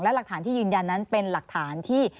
และหลักฐานที่ยืนยันนั้นเป็นหลักฐานที่